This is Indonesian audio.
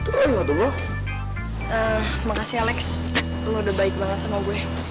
terima kasih alex lo udah baik banget sama gue